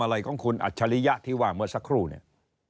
อะไรของคุณอัจฉริยะที่ว่าเมื่อสักครู่เนี่ย